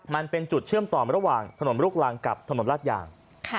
มันเป็นจุดเชื่อมต่อระหว่างถนนลูกรังกับถนนลาดยาง